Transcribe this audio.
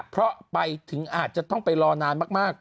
เพราะไปถึงอาจจะต้องไปรอนานมาก